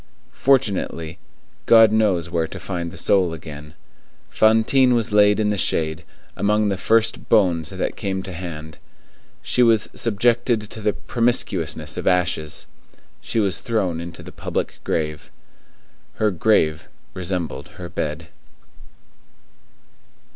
Fortunately, God knows where to find the soul again. Fantine was laid in the shade, among the first bones that came to hand; she was subjected to the promiscuousness of ashes. She was thrown into the public grave. Her grave resembled her bed.